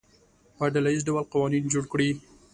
په ډله ییز ډول قوانین جوړ کړي.